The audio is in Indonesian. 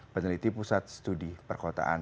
peneliti pusat studi perkotaan